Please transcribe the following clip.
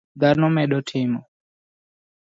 Dhano medo timo